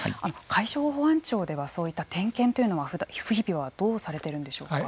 海上保安庁ではそういった点検というのは日々はどうされているんでしょうか。